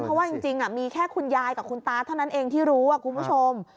เพราะว่าจริงมีแค่คุณยายกับคุณตาเท่านั้นเองที่รู้คุณผู้ชม